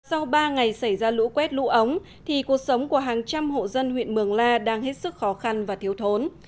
sau ba ngày xảy ra lũ quét lũ ống thì cuộc sống của hàng trăm hộ dân huyện mường la đang hết sức khó khăn và thiếu thốn